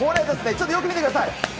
ちょっとよく見てください。